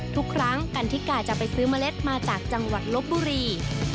ทุกครั้งกันทิกาจะไปซื้อเมล็ดมาจากจังหวัดลบบุรี